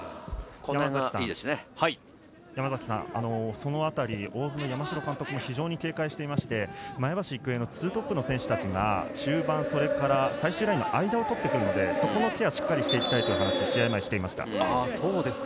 そのあたり大津の山城監督も非常に警戒していまして、前橋育英の２トップの選手たちが、中盤、それから最終ラインの間をとってくるので、そこのケアをしっかりしていきたいと話をしていました。